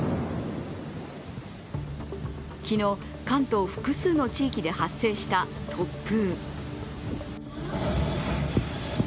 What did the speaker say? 昨日、関東、複数の地域で発生した、突風。